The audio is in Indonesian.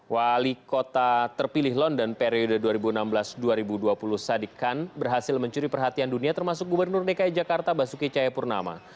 wali kota terpilih london periode dua ribu enam belas dua ribu dua puluh sadik khan berhasil mencuri perhatian dunia termasuk gubernur dki jakarta basuki cayapurnama